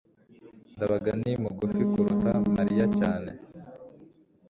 ndabaga ni mugufi kuruta mariya cyane